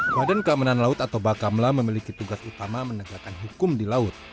badan keamanan laut atau bakamla memiliki tugas utama menegakkan hukum di laut